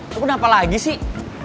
lo kenapa lagi sih